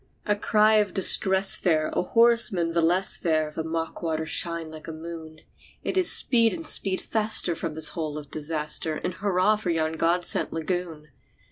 A cry of distress there! a horseman the less there! The mock waters shine like a moon! It is "Speed, and speed faster from this hole of disaster! And hurrah for yon God sent lagoon!"